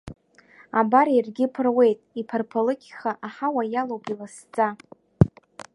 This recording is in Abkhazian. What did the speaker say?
Абар иаргьы ԥыруеит, иԥарԥалыкьха, аҳауа иалоуп иласӡа.